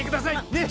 ねっ？